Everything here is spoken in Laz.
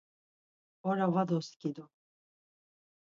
Ora va doskidu.